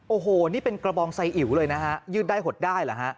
โอ้โหนี่เป็นกระบองไซอิ๋วเลยนะฮะยืดได้หดได้เหรอฮะ